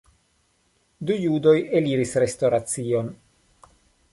Du judoj eliris restoracion.